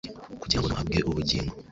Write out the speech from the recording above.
kugira ngo nabo bahabwe ubugingo